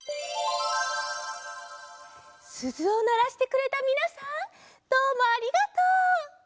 すずをならしてくれたみなさんどうもありがとう。